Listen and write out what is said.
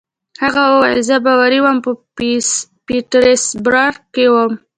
هغه وویل: زه باوري وم، په پیټسبرګ کې ووم.